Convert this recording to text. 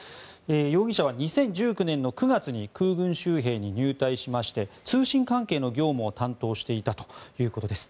容疑者は２０１９年の９月に空軍州兵に入隊しまして通信関係の業務を担当していたということです。